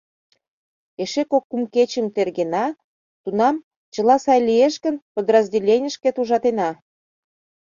Эше кок-кум кечым тергена, тунам, чыла сай лиеш гын, подразделенийышкет ужатена.